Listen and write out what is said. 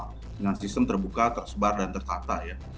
dengan sistem terbuka tersebar dan tertata ya